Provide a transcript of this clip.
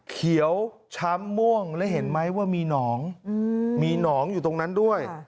เขียวช้ำม่วงแล้วเห็นไหมว่ามีหนองมีหนองอยู่ตรงนั้นด้วย